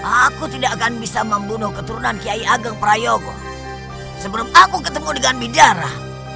aku tidak akan bisa membunuh keturunan kiai ageng prayogo sebelum aku ketemu dengan bidara